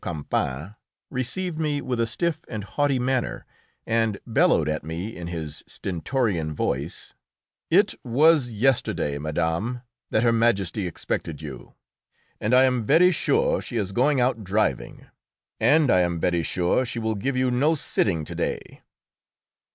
Campan, received me with a stiff and haughty manner, and bellowed at me in his stentorian voice, "It was yesterday, madame, that Her Majesty expected you, and I am very sure she is going out driving, and I am very sure she will give you no sitting to day!"